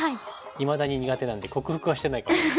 いまだに苦手なんで克服はしてないかも。